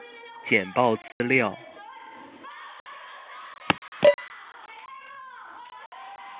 簡報資料